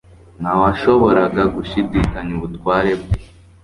ntawashoboraga gushidikanya ubutware bwe.